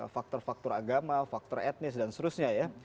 faktor faktor agama faktor etnis dan seterusnya ya